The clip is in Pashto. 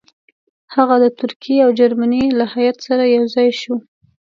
هغه د ترکیې او جرمني له هیات سره یو ځای شو.